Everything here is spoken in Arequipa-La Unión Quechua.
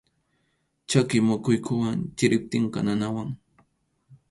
Chaki muquykunam chiriptinqa nanawan.